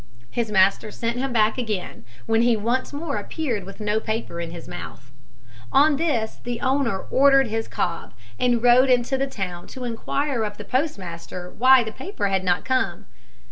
His master sent him back again, when he once more appeared with no paper in his mouth. On this the owner ordered his cob, and rode into the town to inquire of the postmaster why the paper had not come.